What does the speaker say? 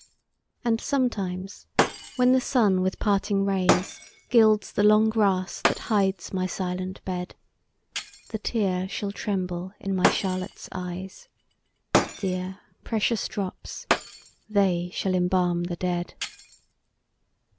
And sometimes, when the sun with parting rays Gilds the long grass that hides my silent bed, The tear shall tremble in my Charlotte's eyes; Dear, precious drops! they shall embalm the dead!